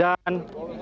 dan sungguh luar biasa